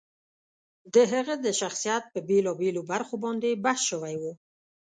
د هغه د شخصیت په بېلا بېلو برخو باندې بحث شوی و.